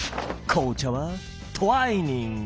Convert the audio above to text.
紅茶はトワイニング。